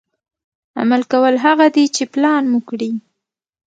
عمل کول هغه دي چې پلان مو کړي.